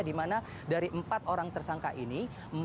dimana dari empat orang tersangka ini